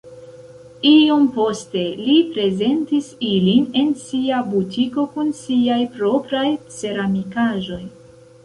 Iom poste li prezentis ilin en sia butiko kun siaj propraj ceramikaĵoj.